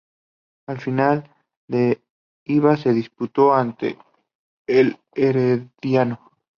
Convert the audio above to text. La final de ida se disputó ante el Herediano.